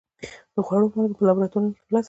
د خوړو مالګه په لابراتوار کې په لاس راوړي.